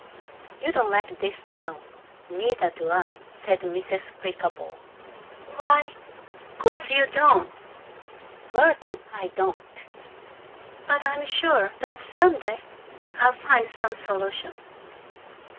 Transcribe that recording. You don't like this town. Neither do I," said Mrs. Flickerbaugh. "Why " "Course you don't!" "Well then, I don't! But I'm sure that some day I'll find some solution.